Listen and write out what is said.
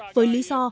với lý do